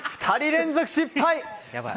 ２人連続失敗！